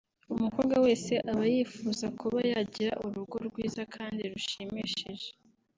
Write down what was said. umukobwa wese aba yifuza kuba yagira urugo rwiza kandi rushimishije